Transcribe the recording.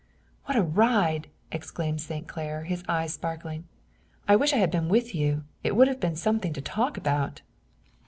"What a ride!" exclaimed St. Clair, his eyes sparkling. "I wish I had been with you. It would have been something to talk about."